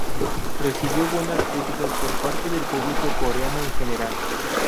Recibió buenas críticas por parte del público Coreano en general.